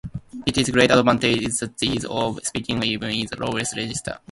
Its great advantage is the ease of speaking, even in the lowest register.